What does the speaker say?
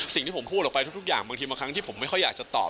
สิ่งที่ผมพูดออกไปทุกอย่างบางทีบางครั้งที่ผมไม่ค่อยอยากจะตอบ